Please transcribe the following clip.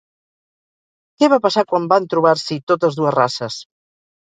Què va passar quan van trobar-s'hi totes dues races?